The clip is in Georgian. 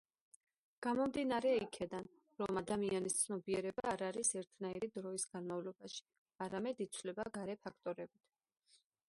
გამომდინარე იქიდან, რომ ადამიანის ცნობიერება არ არის ერთნაირი დროის განმავლობაში, არამედ იცვლება გარე ფაქტორებით.